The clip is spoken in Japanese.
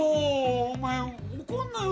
お前怒んなよ